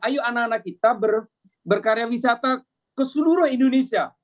ayo anak anak kita berkarya wisata ke seluruh indonesia